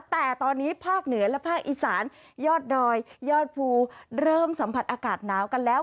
แต่ตอนนี้ภาคเหนือและภาคอีสานยอดดอยยอดภูเริ่มสัมผัสอากาศหนาวกันแล้ว